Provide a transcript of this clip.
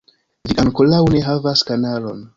Vi ankoraŭ ne havas kanalon